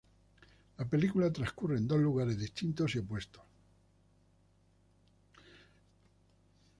La película transcurre en dos lugares distintos y opuestos.